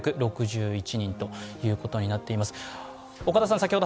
８４６１人ということになっています。